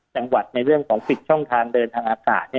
จังหวัดในเรื่องของปิดช่องทางเดินทางอากาศ